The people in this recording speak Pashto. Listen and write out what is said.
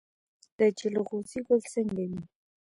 د جلغوزي ګل څنګه وي؟